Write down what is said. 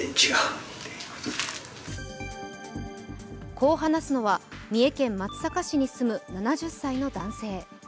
こう話すのは三重県松阪市に住む７０歳の男性。